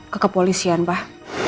ke kepolisian pak